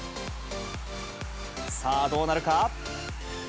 さあ、どうなるか？